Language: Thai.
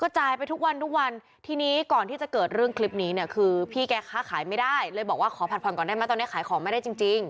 จ่ายไปทุกวันทุกวันทีนี้ก่อนที่จะเกิดเรื่องคลิปนี้เนี่ยคือพี่แกค้าขายไม่ได้เลยบอกว่าขอผัดผ่อนก่อนได้ไหมตอนนี้ขายของไม่ได้จริง